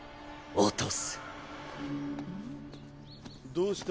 どうした？